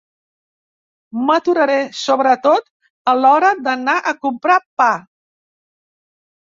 M'aturaré, sobretot a l'hora d'anar a comprar pa.